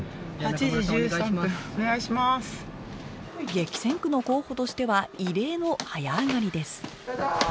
激戦区の候補としては異例の早上がりです